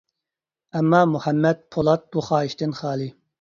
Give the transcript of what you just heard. ئەمما مۇھەممەت پولات بۇ خاھىشتىن خالى.